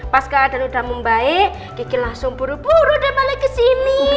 pas keadaan udah membaik gigi langsung buru buru deh balik ke sini